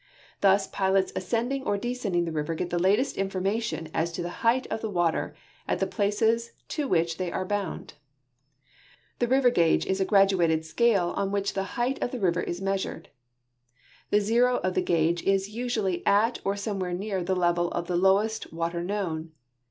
Thus pilots ascending or descending the river get the latest informa tion as to the height of the water at the places to which they are bound. The river gauge is a graduated scale on which the height of the river is measured. The zero of the gauge is usually at or somewhere near the level of the lowest water known.